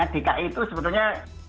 dki itu sebenarnya